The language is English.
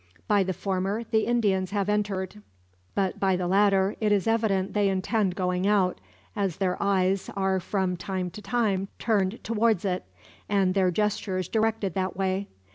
By the former the Indians have entered; but by the latter it is evident they intend going out, as their eyes are from time to time turned towards it, and their gestures directed that way.